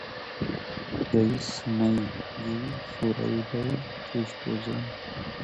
رئس نۂ جۉیی خو رۂ بئل کیشت و زیمی